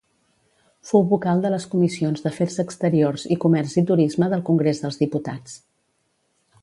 Fou vocal de les Comissions d'Afers Exteriors i Comerç i Turisme del Congrés dels Diputats.